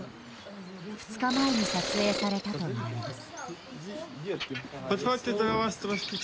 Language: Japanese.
２日前に撮影されたとみられます。